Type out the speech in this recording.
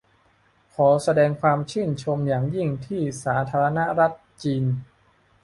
ขอแสดงความชื่นชมอย่างยิ่งที่สาธารณรัฐจีน